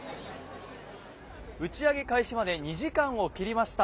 打ち上げ開始まで２時間を切りました。